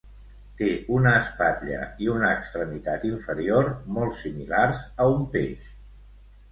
Té una espatlla i una extremitat inferior molt similars a un peix.